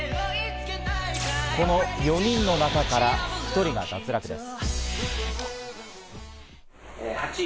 この４人の中から１人が脱落です。